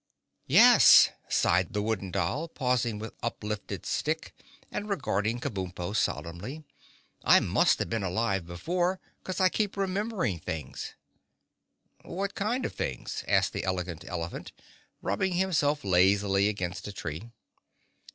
"Yes," sighed the Wooden Doll, pausing with uplifted stick and regarding Kabumpo solemnly, "I must have been alive before 'cause I keep remembering things." "What kind of things?" asked the Elegant Elephant, rubbing himself lazily against a tree.